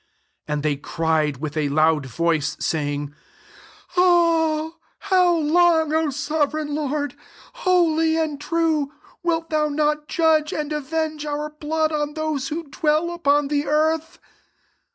10 And they cried with a loud voice, sayhig, <^ How long, O sovereign Lord, holy and true, wilt thon not judge and avenge our blood on those who dwell upon the earth